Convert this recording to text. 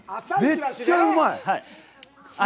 めっちゃうまい！